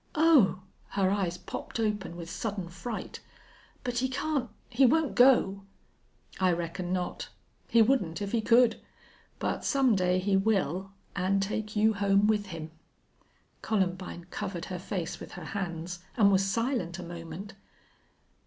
"Oh!" Her eyes popped open with sudden fright. "But he can't he won't go?" "I reckon not. He wouldn't if he could. But some day he will, an' take you home with him." Columbine covered her face with her hands, and was silent a moment.